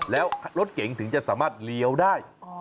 แล้วรถเก๋งถึงจะสามารถเลี้ยวได้